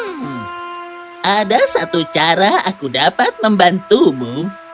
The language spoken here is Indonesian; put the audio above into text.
hmm ada satu cara aku dapat membantumu